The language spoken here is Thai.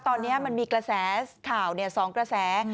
ตอนนี้มันมีกระแสข่าว๒กระแส